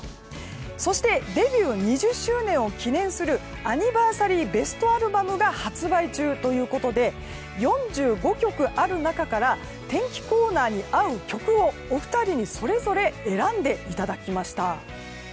そしてデビュー２０周年を記念するアニバーサリーベストアルバムが発売中ということで４５曲ある中から天気コーナーに合う曲をお二人にそれぞれ選んでいただきました。